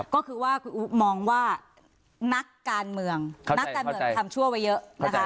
ก็คือว่าคุณอุ๊มองว่านักการเมืองนักการเมืองทำชั่วไว้เยอะนะคะ